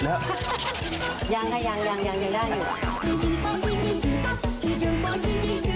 ยังค่ะยังยังได้อยู่